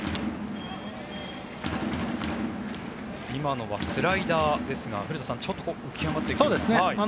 今のはスライダーですが古田さん、ちょっと浮き上がっていくような。